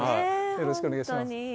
よろしくお願いします。